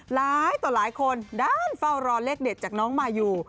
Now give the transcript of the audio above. หลายต่อหลายคนด้านเฝ้ารอเลขเด็ดจากน้องมายู